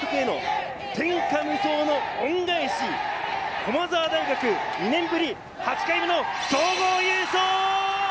駒澤大学、２年ぶり８回目の総合優勝！